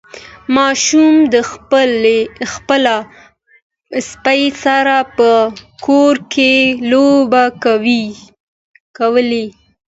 ماشوم د خپل سپي سره په کور کې لوبې کولې.